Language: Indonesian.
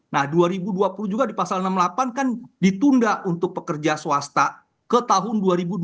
nah dua ribu dua puluh juga di pasal enam puluh delapan kan ditunda untuk pekerja swasta ke tahun dua ribu dua puluh